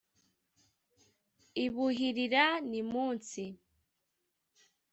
Ibuhirira nimunsi